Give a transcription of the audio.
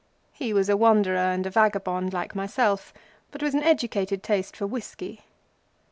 He was a wanderer and a vagabond like myself, but with an educated taste for whiskey.